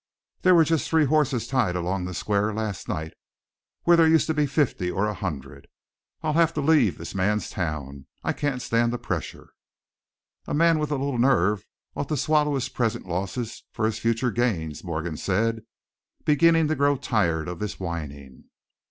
There was just three horses tied along the square last night, where there used to be fifty or a hundred. I'll have to leave this man's town; I can't stand the pressure." "A man with a little nerve ought to swallow his present losses for his future gains," Morgan said, beginning to grow tired of this whining.